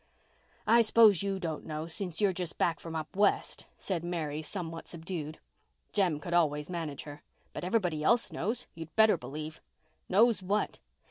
"I s'pose you don't know, since you're just back from up west," said Mary, somewhat subdued. Jem could always manage her. "But everybody else knows, you'd better believe." "Knows what?"